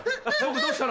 どうしたの？